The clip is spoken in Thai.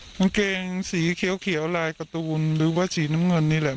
กางเกงสีเขียวลายการ์ตูนหรือว่าสีน้ำเงินนี่แหละ